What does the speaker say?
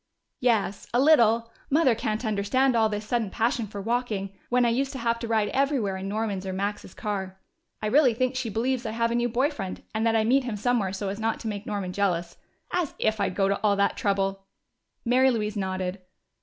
"Yes, a little. Mother can't understand all this sudden passion for walking, when I used to have to ride everywhere in Norman's or Max's car. I really think she believes I have a new boy friend and that I meet him somewhere so as not to make Norman jealous. As if I'd go to all that trouble!" Mary Louise nodded.